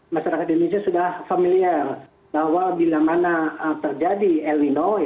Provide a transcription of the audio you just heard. masyarakat indonesia sudah familiar bahwa bila mana terjadi el nino